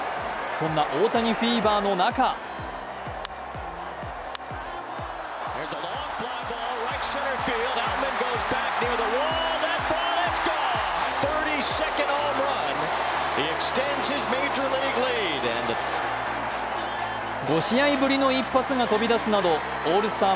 そんな大谷フィーバーの中５試合ぶりの一発が飛び出すなどオールスター